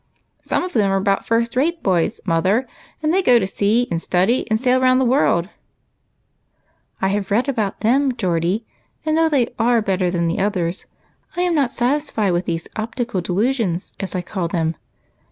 "Some of them are about first rate boys, mother; and they go to sea and study, and sail round the world, having great larks all the way." " I have read about them, Geordie, and though they are better than the others, I am not satisfied with these ojytical delusions, as I call them.